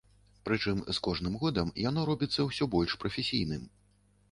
Прычым з кожным годам яно робіцца ўсё больш прафесійным.